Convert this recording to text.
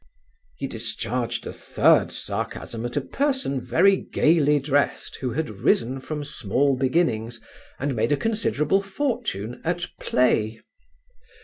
He discharged a third sarcasm at a person very gaily dressed, who had risen from small beginnings, and made a considerable fortune at play.